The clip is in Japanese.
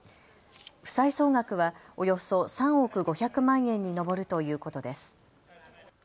負債総額はおよそ３億５００万円に上るということです。